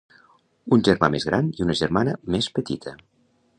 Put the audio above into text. Un germà més gran i una germana més petita.